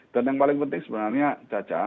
dan yang paling penting sebenarnya caca